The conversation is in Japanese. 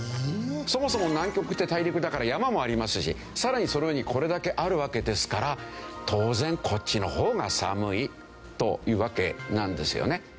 そもそも南極って大陸だから山もありますしさらにその上にこれだけあるわけですから当然こっちの方が寒いというわけなんですよね。